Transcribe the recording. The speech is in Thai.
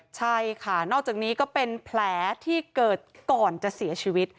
ใช่ค่ะนอกจากนี้ก็เป็นแผลที่เกิดก่อนจะเสียชีวิต